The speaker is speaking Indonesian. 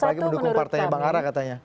apalagi mendukung partainya bang ara katanya